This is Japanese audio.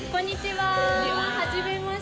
はじめまして。